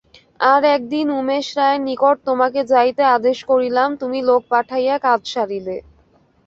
আর-একদিন উমেশ রায়ের নিকট তোমাকে যাইতে আদেশ করিলাম, তুমি লোক পাঠাইয়া কাজ সারিলে।